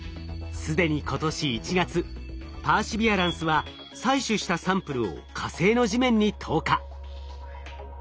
既に今年１月パーシビアランスは採取したサンプルを火星の地面に投下。